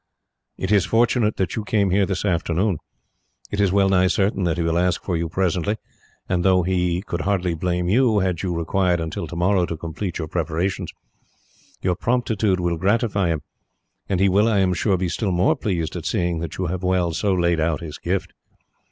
"It is fortunate that you came here this afternoon. It is well nigh certain that he will ask for you presently, and though he could hardly blame you, had you required until tomorrow to complete your preparations, your promptitude will gratify him; and he will, I am sure, be still more pleased at seeing that you have so well laid out his gift.